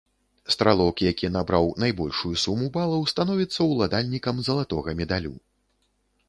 Стралок, які набраў найбольшую суму балаў, становіцца ўладальнікам залатога медалю.